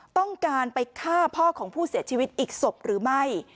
ต้องการไปฆ่าพ่อของผู้เสียชีวิตอีกศพหรือไม่